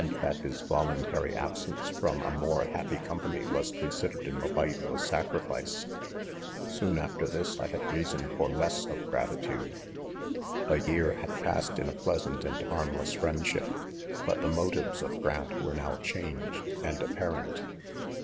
that his voluntary, absence from a more happy company was considered in the light of a sac rifice. ' i3\)*Jl\ U1M51." "Vino, iiieuu. iT; ai3vuiui l^oo ui g*"^ tifci !e. A year had passed in a pleasant and harmless friendship j but the motives of Giant were now changed and apparent.